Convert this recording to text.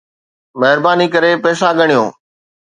مھرباني ڪري پئسا ڳڻيو